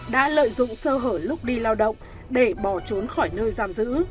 đã lợi dụng sơ hở lúc đi lao động để bỏ trốn khỏi nơi giam giữ